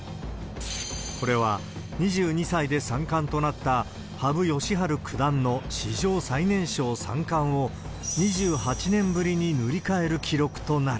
これは２２歳で三冠となった羽生善治九段の史上最年少三冠を２８年ぶりに塗り替える記録となる。